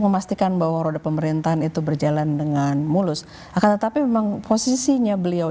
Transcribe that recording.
memastikan bahwa roda pemerintahan itu berjalan dengan mulus akan tetapi memang posisinya beliau